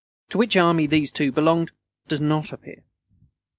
To which army these two belonged does not appear.